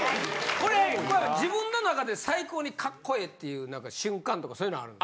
・これ小山自分の中で最高にカッコええっていうなんか瞬間とかそういうのあるの？